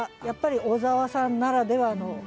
やっぱり小沢さんならではの。